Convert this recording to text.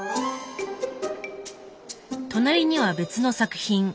隣には別の作品。